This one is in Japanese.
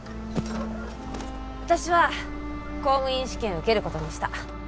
私は公務員試験受けることにした。